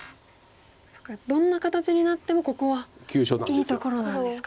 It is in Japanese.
どんな形になってもここはいいところなんですか。